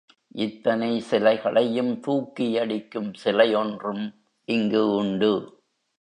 இத்தனை சிலைகளையும் தூக்கி அடிக்கும் சிலை ஒன்றும் இங்கு உண்டு.